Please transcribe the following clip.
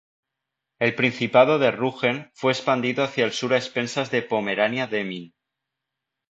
El Principado de Rügen fue expandido hacia el sur a expensas de Pomerania-Demmin.